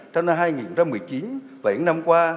trong năm hai nghìn một mươi chín và những năm qua